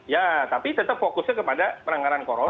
ya tapi tetap fokusnya kepada penanganan corona